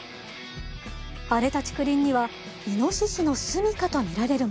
荒れた竹林にはいのししの住み処と見られるものが。